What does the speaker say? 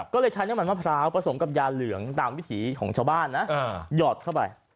ก็เลยใช้น้ำมันมะพร้าวผสมกับยาเหลืองตามวิถีของชาวบ้านนะหยอดเข้าไป